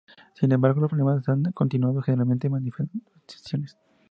Sin embargo, los problemas han continuado generando manifestaciones.